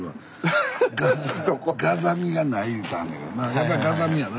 やっぱりガザミやな？